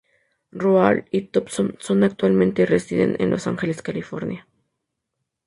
Raoul y Thompson actualmente residen en Los Ángeles, California.